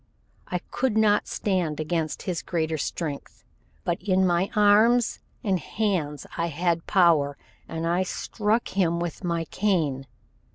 I could not stand against his greater strength, but in my arms and hands I had power, and I struck him with my cane.